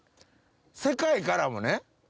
世界からもね